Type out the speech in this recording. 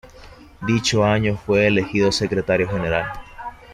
Dicho año fue elegido secretario general.